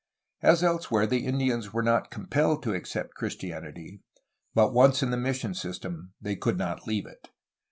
As elsewhere the Indians were not compelled to accept Christianity, but once in the mission system they could not leave it.